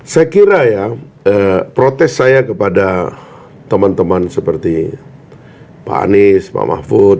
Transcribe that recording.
saya kira ya protes saya kepada teman teman seperti pak anies pak mahfud